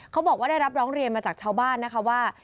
เขาบอกว่าได้รับร้องเรียนมาจากชาวบ้านนะคะว่า